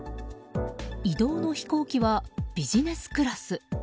移動の飛行機はビジネスクラス。